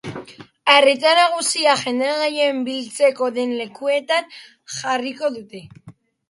Arreta nagusia jende gehien biltzen den lekuetan jarriko dute.